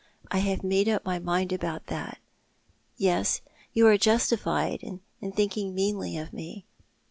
I have made up my mind about that. Yes, you are justified in thinking meanly of me.